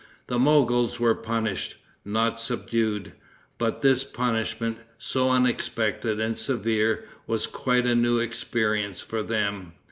The Mogols were punished, not subdued; but this punishment, so unexpected and severe, was quite a new experience for them.